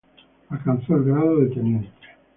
Alcanzó el grado de teniente.